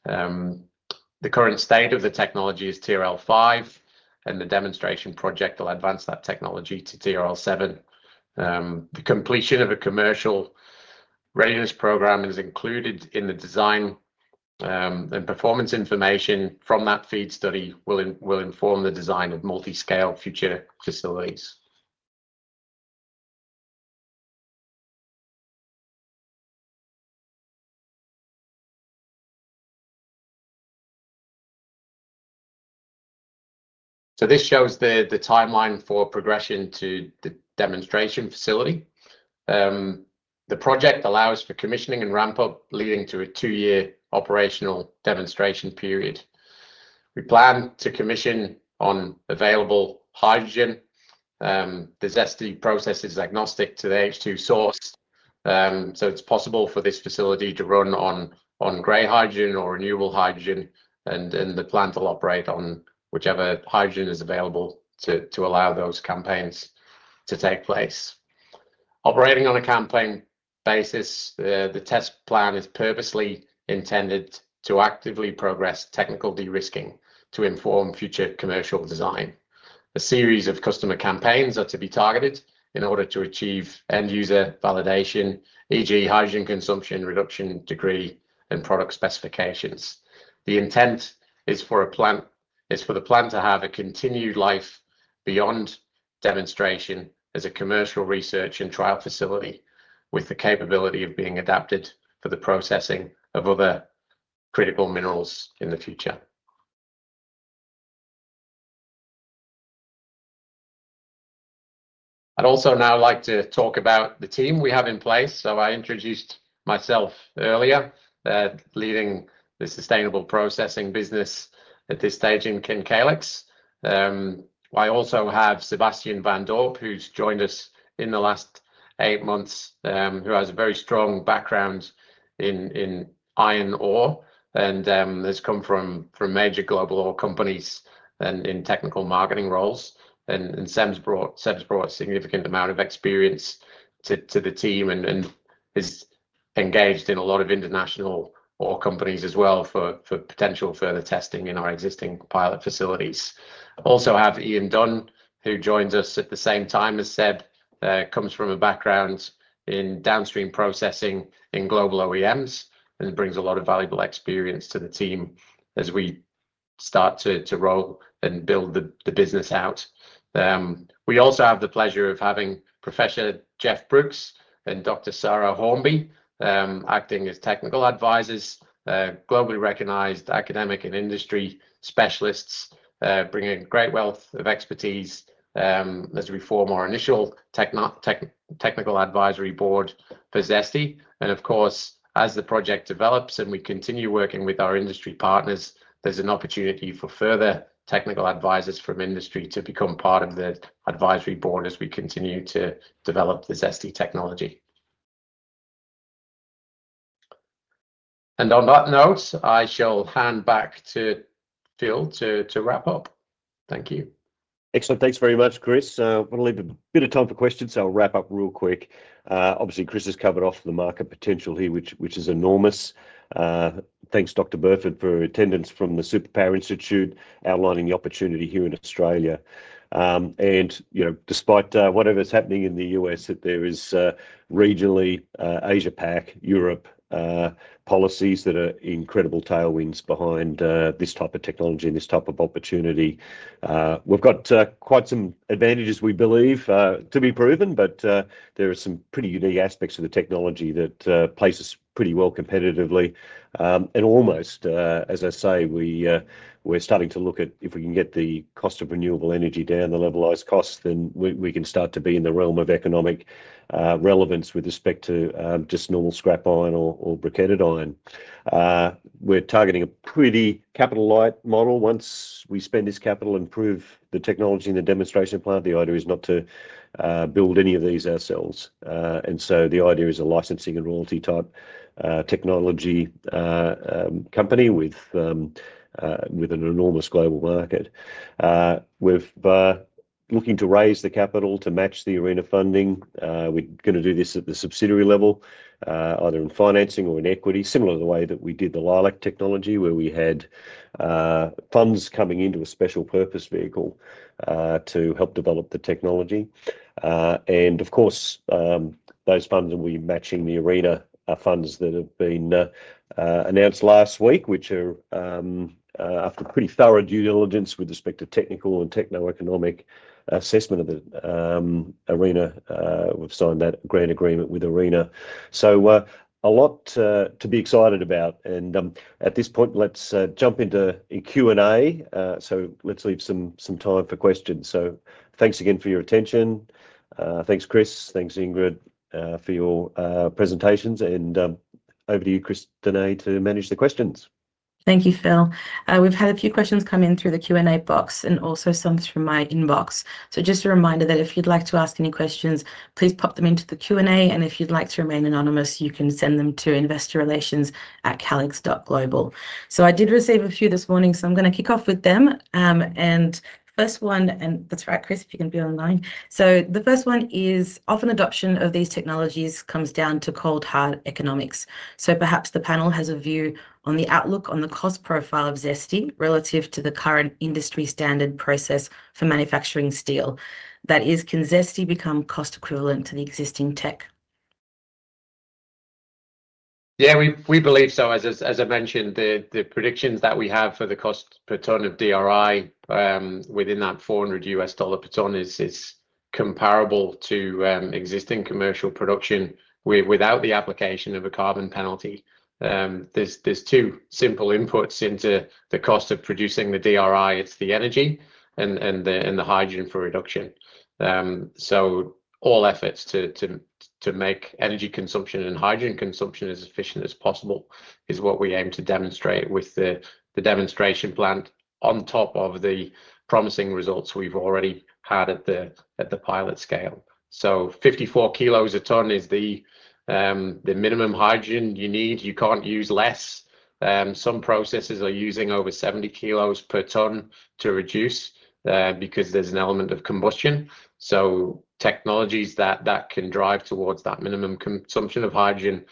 The current state of the technology is TRL 5, and the demonstration project will advance that technology to TRL 7. The completion of a commercial readiness program is included in the design, and performance information from that feed study will inform the design of multi-scale future facilities. This shows the timeline for progression to the demonstration facility. The project allows for commissioning and ramp-up, leading to a two-year operational demonstration period. We plan to commission on available hydrogen. The ZESTY process is agnostic to the H2 source, so it's possible for this facility to run on gray hydrogen or renewable hydrogen, and the plant will operate on whichever hydrogen is available to allow those campaigns to take place. Operating on a campaign basis, the test plan is purposely intended to actively progress technical de-risking to inform future commercial design. A series of customer campaigns are to be targeted in order to achieve end-user validation, e.g., hydrogen consumption reduction degree and product specifications. The intent is for the plant to have a continued life beyond demonstration as a commercial research and trial facility with the capability of being adapted for the processing of other critical minerals in the future. I'd also now like to talk about the team we have in place. I introduced myself earlier, leading the sustainable processing business at this stage in Calix. I also have Sebastian van Dorp, who's joined us in the last eight months, who has a very strong background in iron ore and has come from major global ore companies in technical marketing roles. Seb's brought a significant amount of experience to the team and is engaged in a lot of international ore companies as well for potential further testing in our existing pilot facilities. I also have Ian Dunn, who joins us at the same time as Seb, comes from a background in downstream processing in global OEMs and brings a lot of valuable experience to the team as we start to roll and build the business out. We also have the pleasure of having Professor Jeff Brooks and Dr. Sarah Hornby acting as technical advisors, globally recognized academic and industry specialists, bringing a great wealth of expertise as we form our initial technical advisory board for ZESTY. As the project develops and we continue working with our industry partners, there's an opportunity for further technical advisors from industry to become part of the advisory board as we continue to develop the ZESTY technology. On that note, I shall hand back to Phil to wrap up. Thank you. Excellent. Thanks very much, Chris. We'll leave a bit of time for questions. I'll wrap up real quick. Obviously, Chris has covered off the market potential here, which is enormous. Thanks, Dr. Ingrid Burford, for attendance from the Superpower Institute outlining the opportunity here in Australia. Despite whatever's happening in the U.S., there are regionally Asia PAC, Europe policies that are incredible tailwinds behind this type of technology and this type of opportunity. We've got quite some advantages, we believe, to be proven, but there are some pretty unique aspects of the technology that place us pretty well competitively. Almost, as I say, we're starting to look at if we can get the cost of renewable energy down, the levelized cost, then we can start to be in the realm of economic relevance with respect to just normal scrap iron or briquetted iron. We're targeting a pretty capital-light model. Once we spend this capital and prove the technology in the demonstration plant, the idea is not to build any of these ourselves. The idea is a licensing and royalty type technology company with an enormous global market. We're looking to raise the capital to match the ARENA funding. We're going to do this at the subsidiary level, either in financing or in equity, similar to the way that we did the Leilac technology, where we had funds coming into a special purpose vehicle to help develop the technology. Of course, those funds that we're matching the ARENA are funds that have been announced last week, which are, after pretty thorough due diligence with respect to technical and techno-economic assessment of the ARENA, we've signed that grant agreement with ARENA. A lot to be excited about. At this point, let's jump into Q&A. Let's leave some time for questions. Thanks again for your attention. Thanks, Chris. Thanks, Ingrid, for your presentations. Over to you, Christineh, to manage the questions. Thank you, Phil. We've had a few questions come in through the Q&A box and also some through my inbox. Just a reminder that if you'd like to ask any questions, please pop them into the Q&A. If you'd like to remain anonymous, you can send them to investorrelations@calix.global. I did receive a few this morning, so I'm going to kick off with them. The first one, that's right, Chris, if you can be online. The first one is, often adoption of these technologies comes down to cold hard economics. Perhaps the panel has a view on the outlook on the cost profile of ZESTY relative to the current industry standard process for manufacturing steel. That is, can ZESTY become cost equivalent to the existing tech? Yeah, we believe so. As I mentioned, the prediction that we have for the cost per tonne of DRI within that $400 per tonne is comparable to existing commercial production without the application of a carbon penalty. There are two simple inputs into the cost of producing the DRI: it's the energy and the hydrogen for reduction. All efforts to make energy consumption and hydrogen consumption as efficient as possible is what we aim to demonstrate with the demonstration plant on top of the promising results we've already had at the pilot scale. 54 kg a tonne is the minimum hydrogen you need. You can't use less. Some processes are using over 70 kg per tonne to reduce because there's an element of combustion. Technologies that can drive towards that minimum consumption of hydrogen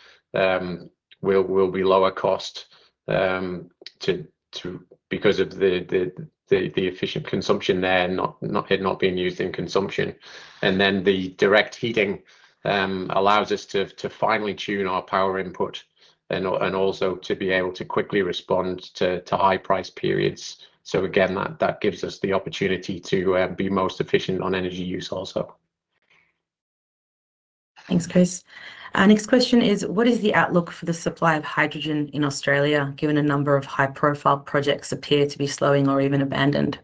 will be lower cost because of the efficient consumption there, not being used in consumption. The direct heating allows us to finely tune our power input and also to be able to quickly respond to high price periods. That gives us the opportunity to be most efficient on energy use also. Thanks, Chris. Our next question is, what is the outlook for the supply of hydrogen in Australia, given a number of high-profile projects appear to be slowing or even abandoned?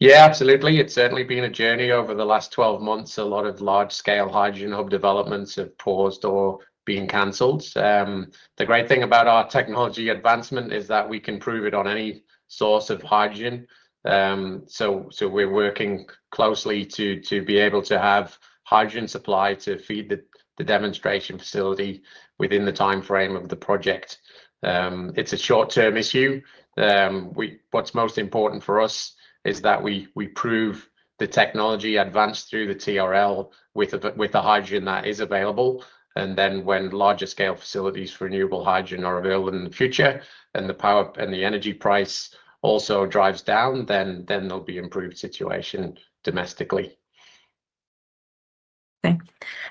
Yeah, absolutely. It's certainly been a journey over the last 12 months. A lot of large-scale hydrogen hub developments have paused or been cancelled. The great thing about our technology advancement is that we can prove it on any source of hydrogen. We're working closely to be able to have hydrogen supply to feed the demonstration facility within the timeframe of the project. It's a short-term issue. What's most important for us is that we prove the technology advanced through the TRL with the hydrogen that is available. When larger scale facilities for renewable hydrogen are available in the future and the power and the energy price also drives down, there'll be an improved situation domestically.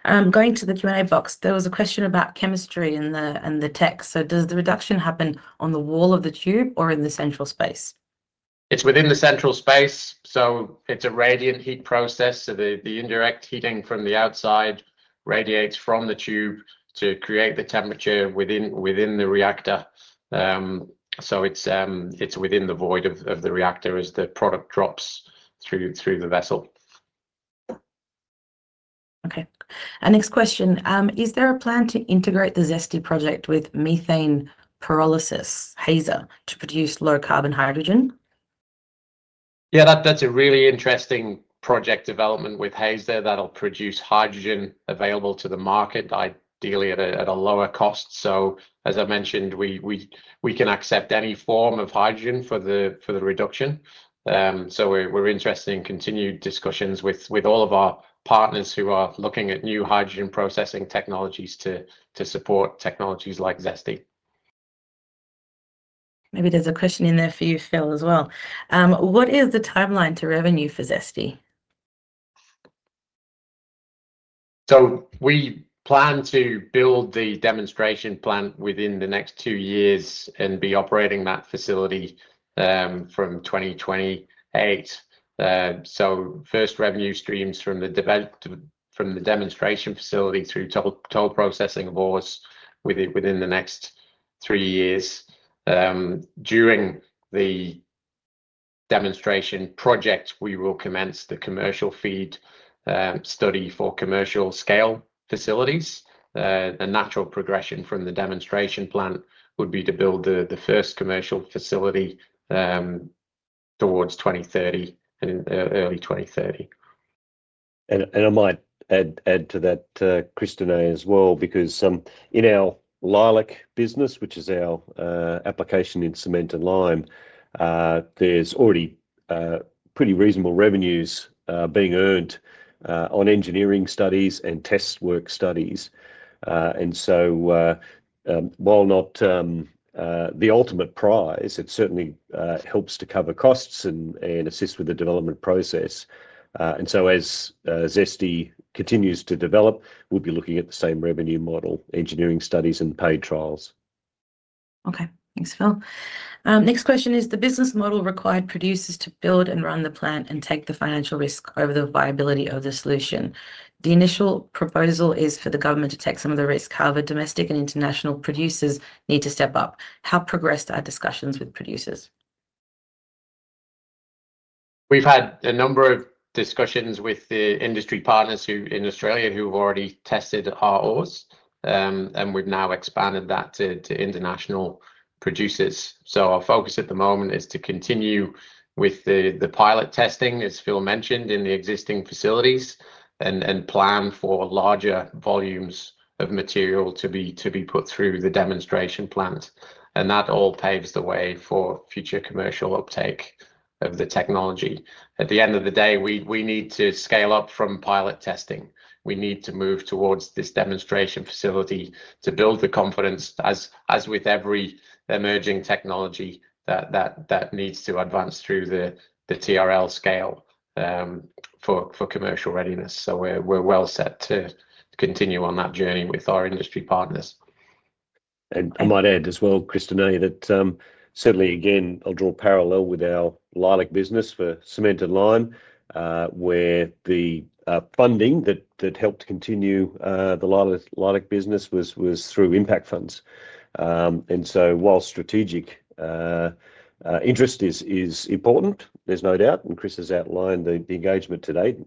Thanks. Going to the Q&A box, there was a question about chemistry in the tech. Does the reduction happen on the wall of the tube or in the central space? It's within the central space. It's a radiant heat process. The indirect heating from the outside radiates from the tube to create the temperature within the reactor. It's within the void of the reactor as the product drops through the vessel. Okay. Our next question. Is there a plan to integrate the ZESTY project with methane pyrolysis, Hazer, to produce low carbon hydrogen? Yeah, that's a really interesting project development with Hazer that'll produce hydrogen available to the market, ideally at a lower cost. As I mentioned, we can accept any form of hydrogen for the reduction. We're interested in continued discussions with all of our partners who are looking at new hydrogen processing technologies to support technologies like ZESTY. Maybe there's a question in there for you, Phil, as well. What is the timeline to revenue for ZESTY? We plan to build the demonstration plant within the next two years and be operating that facility from 2028. First revenue streams from the demonstration facility through total processing of ores within the next three years. During the demonstration project, we will commence the commercial feed study for commercial scale facilities. A natural progression from the demonstration plant would be to build the first commercial facility towards 2030 and in early 2030. I might add to that, Christineh, as well, because in our Leilac business, which is our application in cement and lime, there's already pretty reasonable revenues being earned on engineering studies and test work studies. While not the ultimate prize, it certainly helps to cover costs and assist with the development process. As ZESTY continues to develop, we'll be looking at the same revenue model, engineering studies and the paid trials. Okay, thanks, Phil. Next question is, the business model required producers to build and run the plant and take the financial risk over the viability of the solution. The initial proposal is for the government to take some of the risk, however, domestic and international producers need to step up. How progressed are discussions with producers? We've had a number of discussions with the industry partners in Australia who have already tested our ores, and we've now expanded that to international producers. Our focus at the moment is to continue with the pilot testing, as Phil mentioned, in the existing facilities and plan for larger volumes of material to be put through the demonstration plant. That all paves the way for future commercial uptake of the technology. At the end of the day, we need to scale up from pilot testing. We need to move towards this demonstration facility to build the confidence, as with every emerging technology that needs to advance through the TRL scale for commercial readiness. We're well set to continue on that journey with our industry partners. I might add as well, Christineh, that certainly, again, I'll draw a parallel with our Leilac business for cement and lime, where the funding that helped continue the Leilac business was through impact funds. While strategic interest is important, there's no doubt, and Chris has outlined the engagement today,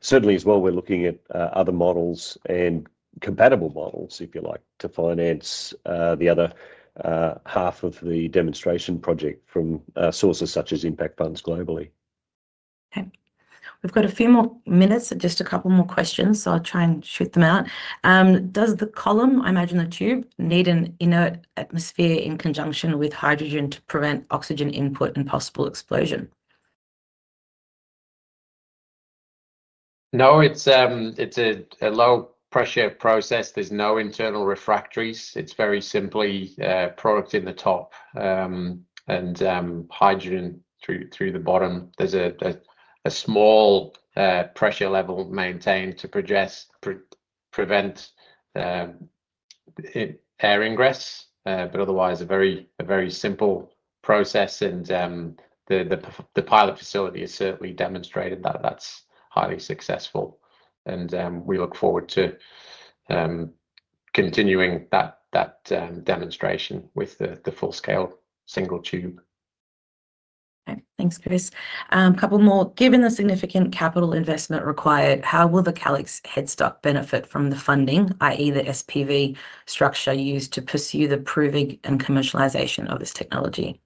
certainly as well, we're looking at other models and compatible models, if you like, to finance the other half of the demonstration project from sources such as impact funds globally. Okay. We've got a few more minutes and just a couple more questions, so I'll try and shoot them out. Does the column, I imagine the tube, need an inert atmosphere in conjunction with hydrogen to prevent oxygen input and possible explosion? No, it's a low pressure process. There's no internal refractories. It's very simply products in the top and hydrogen through the bottom. There's a small pressure level maintained to prevent air ingress, but otherwise a very simple process. The pilot facility has certainly demonstrated that that's highly successful. We look forward to continuing that demonstration with the full-scale single tube. Thanks, Chris. A couple more. Given the significant capital investment required, how will the Calix headstock benefit from the funding, i.e., the SPV structure used to pursue the proving and commercialization of this technology?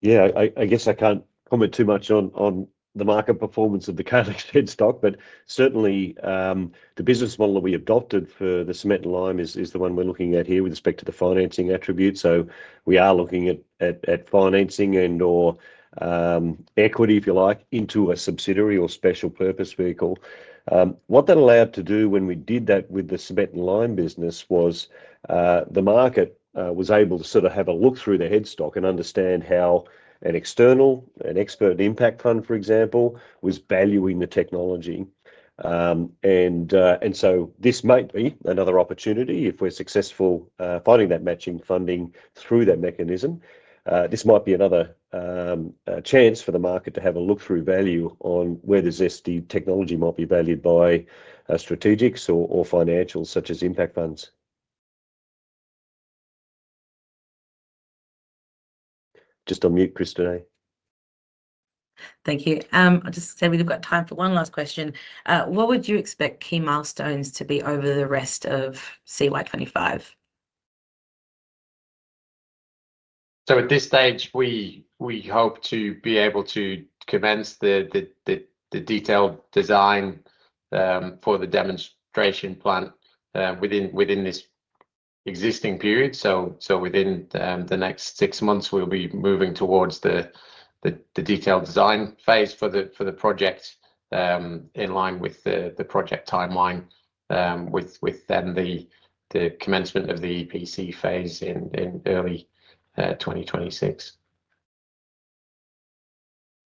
Yeah, I guess I can't comment too much on the market performance of the Calix headstock, but certainly the business model that we adopted for the cement and lime is the one we're looking at here with respect to the financing attribute. We are looking at financing and/or equity, if you like, into a subsidiary or special purpose vehicle. What that allowed to do when we did that with the cement and lime business was the market was able to sort of have a look through the headstock and understand how an external, an expert impact fund, for example, was valuing the technology. This might be another opportunity if we're successful finding that matching funding through that mechanism. This might be another chance for the market to have a look through value on whether ZESTY technology might be valued by strategics or financials such as impact funds. Just on mute, Christineh. Thank you. I'll just say we've got time for one last question. What would you expect key milestones to be over the rest of CY 2025? At this stage, we hope to be able to commence the detailed design for the demonstration plant within this existing period. Within the next six months, we'll be moving towards the detailed design phase for the project in line with the project timeline, with the commencement of the EPC phase in early 2026.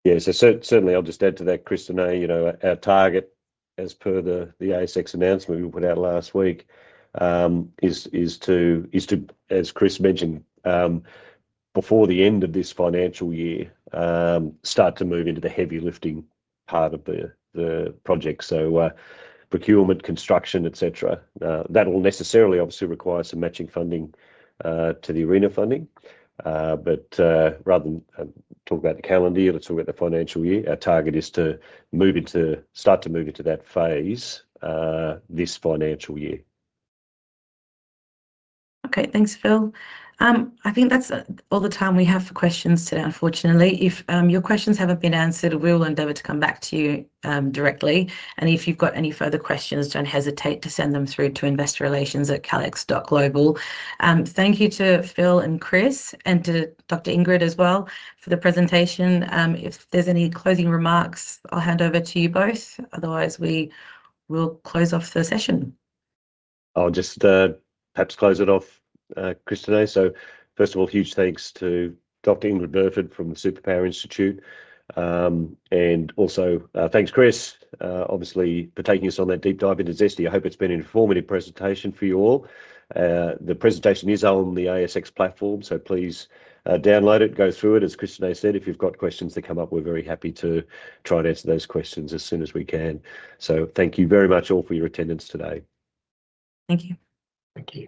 Yeah, so certainly I'll just add to that, Christineh. Our target, as per the ASX announcement we put out last week, is to, as Chris mentioned, before the end of this financial year, start to move into the heavy lifting part of the project. Procurement, construction, etc. That'll necessarily obviously require some matching funding to the ARENA funding. Rather than talk about the calendar year, let's talk about the financial year. Our target is to move into, start to move into that phase this financial year. Okay, thanks, Phil. I think that's all the time we have for questions today, unfortunately. If your questions haven't been answered, we'll endeavor to come back to you directly. If you've got any further questions, don't hesitate to send them through to investorrelations@calix.global. Thank you to Phil and Chris and to Dr. Ingrid as well for the presentation. If there's any closing remarks, I'll hand over to you both. Otherwise, we will close off the session. I'll just perhaps close it off, Christineh. First of all, huge thanks to Dr. Ingrid Burford from the Superpower Institute. Also, thanks Chris, obviously, for taking us on that deep dive into ZESTY. I hope it's been an informative presentation for you all. The presentation is on the ASX platform, so please download it, go through it. As Christineh said, if you've got questions that come up, we're very happy to try and answer those questions as soon as we can. Thank you very much all for your attendance today. Thank you. Thank you.